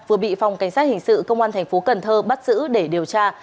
vừa bị phòng cảnh sát hình sự công an tp cn bắt giữ để điều tra